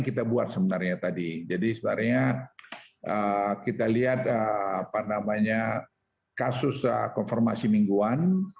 kita buat sebenarnya tadi jadi sebenarnya kita lihat apa namanya kasus konfirmasi mingguan